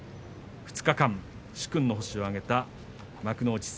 ２日間、殊勲の星を挙げた幕内